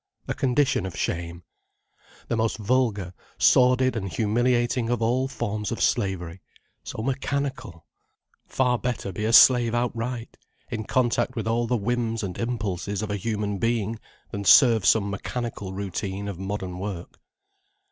A condition of shame. The most vulgar, sordid and humiliating of all forms of slavery: so mechanical. Far better be a slave outright, in contact with all the whims and impulses of a human being, than serve some mechanical routine of modern work.